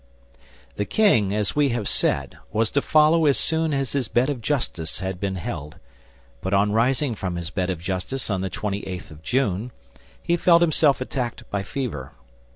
The king, as we have said, was to follow as soon as his Bed of Justice had been held; but on rising from his Bed of Justice on the twenty eighth of June, he felt himself attacked by fever.